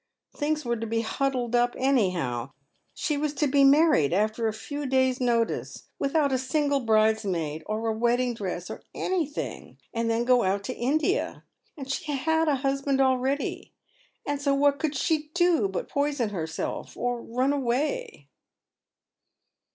" Things were to be huddled uj? anyhow. She was to be mai vied alter a Mr. Levison Cross exafnines. S57 few days' notice, without a single bridesmaid, or a vedding dress, or anything, and then to go out to India. And she had a husband already, and so what could she do but poison herself or run away